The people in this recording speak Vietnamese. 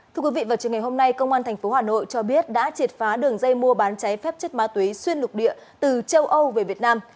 thưa quý vị vào chiều ngày hôm nay công an tp hà nội cho biết đã triệt phá đường dây mua bán cháy phép chất ma túy xuyên lục địa từ châu âu về việt nam